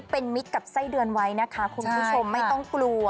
เป็นมิตรกับไส้เดือนไว้นะคะคุณผู้ชมไม่ต้องกลัว